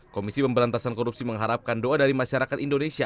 komisi pemberantasan korupsi mengharapkan doa dari masyarakat indonesia